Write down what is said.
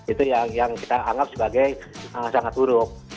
itu yang kita anggap sebagai sangat buruk